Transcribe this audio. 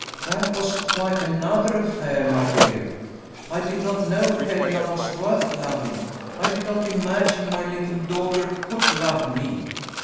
"That was quite another affair, my dear. I did not know Helena was worth loving. I did not imagine my little daughter could love me.